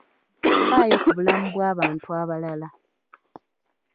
Faayo ku bulamu bw'abantu abalala.